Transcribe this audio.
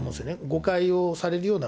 誤解をされるような